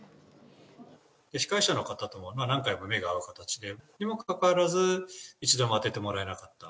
司会者の方とは何回も目が合う形で、にもかかわらず、一度も当ててもらえなかった。